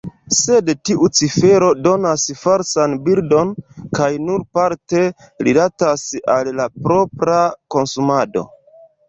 Sed tiu cifero donas falsan bildon kaj nur parte rilatas al la propra konsumado.